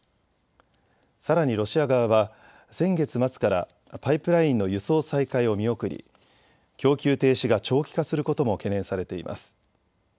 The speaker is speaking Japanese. さらにロシア側は先月末からパイプラインの輸送再開を見送り供給停止が長期化することも懸念されています。